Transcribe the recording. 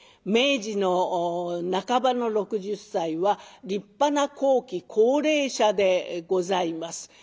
明治の半ばの６０歳は立派な後期高齢者でございます。